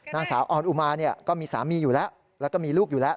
นางสาวออนอุมาเนี่ยก็มีสามีอยู่แล้วแล้วก็มีลูกอยู่แล้ว